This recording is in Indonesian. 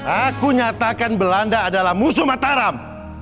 aku nyatakan belanda adalah musuh mataram